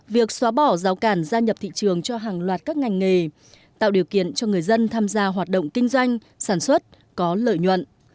việc xóa bỏ rào cản gia nhập thị trường cho hàng loạt các ngành nghề tạo điều kiện cho người dân tham gia hoạt động kinh doanh sản xuất có lợi nhuận